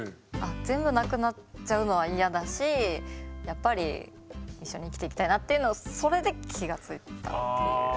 全部なくなっちゃうのは嫌だしやっぱり一緒に生きていきたいなっていうのをそれで気が付いたっていう。